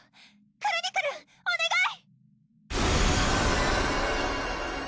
クルニクルンおねがい！